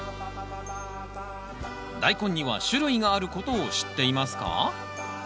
ダイコンには種類があることを知っていますか？